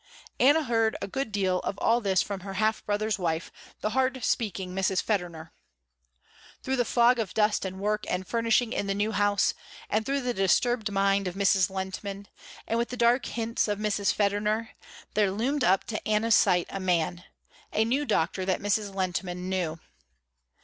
Anna heard a good deal of all this from her half brother's wife, the hard speaking Mrs. Federner. Through the fog of dust and work and furnishing in the new house, and through the disturbed mind of Mrs. Lehntman, and with the dark hints of Mrs. Federner, there loomed up to Anna's sight a man, a new doctor that Mrs. Lehntman knew.